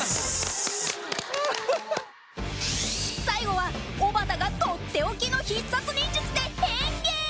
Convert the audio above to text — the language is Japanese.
最後はとっておきの必殺忍術で変化！